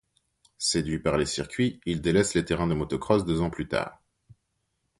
Séduit par les circuits, il délaisse les terrains de motocross deux ans plus tard.